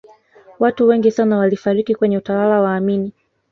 watu wengi sana walifariki kwenye utawala wa amini